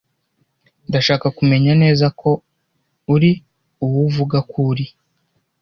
Ndashaka kumenya neza ko uri uwo uvuga ko uri.